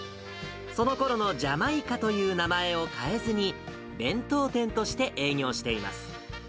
そのころのジャマイカという名前を変えずに、弁当店として営業しています。